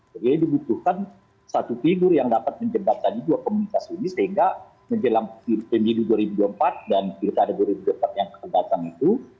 jadi dibutuhkan satu figur yang dapat menjebakkan dua komunitas ini sehingga menjelang dua ribu dua puluh empat dan ketika ada dua ribu dua puluh empat yang akan datang itu